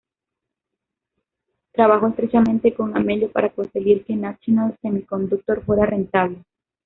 Trabajó estrechamente con Amelio para conseguir que National Semiconductor fuera rentable.